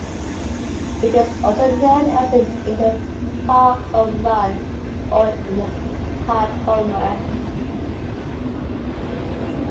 It is also known as an "in-the-park home run" or "in the park homer".